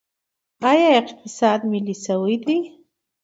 آیا اقتصاد ملي شوی دی؟